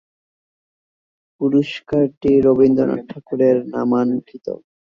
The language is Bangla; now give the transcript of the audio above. পুরস্কারটি রবীন্দ্রনাথ ঠাকুরের নামাঙ্কিত।